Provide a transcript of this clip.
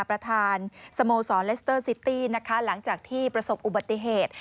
ประธานสโมสรเลสเตอร์ซิตี้นะคะหลังจากที่ประสบอุบัติเหตุ